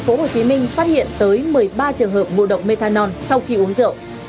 tp hcm phát hiện tới một mươi ba trường hợp ngộ độc methanol sau khi uống rượu